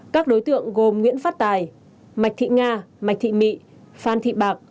các đối tượng gồm nguyễn phát tài mạch thị nga mạch thị mỹ phan thị bạc